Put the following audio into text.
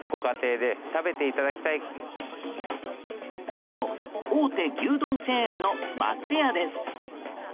そう、大手牛丼チェーンの松屋です。